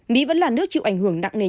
mỹ vẫn là nước chịu ảnh hưởng nặng